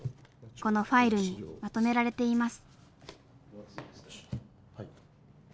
このファイルにまとめられています。